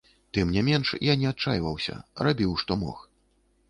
Тым не менш, я не адчайваўся, рабіў, што мог.